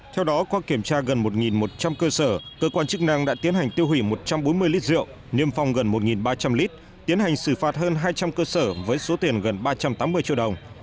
theo đó qua kiểm tra gần một một trăm linh cơ sở cơ quan chức năng đã tiến hành tiêu hủy một trăm bốn mươi lít rượu niêm phong gần một ba trăm linh lít tiến hành xử phạt hơn hai trăm linh cơ sở với số tiền gần ba trăm tám mươi triệu đồng